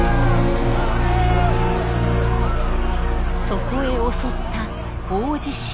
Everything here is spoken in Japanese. そこへ襲った大地震。